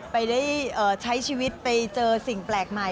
ไปได้ใช้ชีวิตไปเจอสิ่งแปลกใหม่